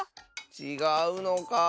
ちがうのか。